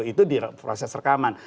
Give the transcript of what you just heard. itu di proses rekaman